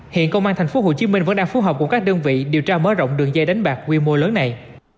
hiện công an tp hcm vẫn đang phù hợp cùng các đơn vị điều tra mở rộng đường dây đánh bạc quy mô lớn này